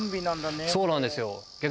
そうなんですよ。